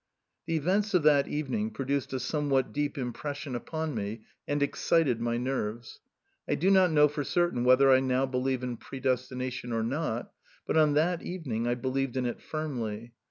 The events of that evening produced a somewhat deep impression upon me and excited my nerves. I do not know for certain whether I now believe in predestination or not, but on that evening I believed in it firmly.